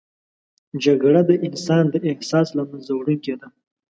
جګړه د انسان د احساس له منځه وړونکې ده